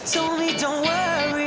dia bilang jangan berhenti